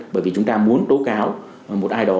bởi vì chúng ta muốn tố cáo một ai đó